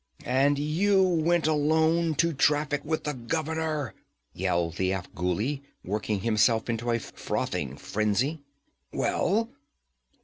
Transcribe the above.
'And you went alone to traffic with the governor!' yelled the Afghuli, working himself into a frothing frenzy. 'Well?'